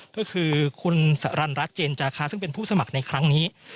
ก็คือคุณสรรณรัฐเจนจาคาซึ่งเป็นผู้สมัครในครั้งนี้